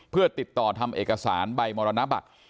เพื่อติดต่อทำเอกสารใบมรณบัตร